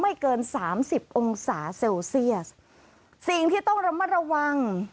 ไม่เกิน๓๐องศาเซลเซียสสิ่งที่ต้องรับมาระวัง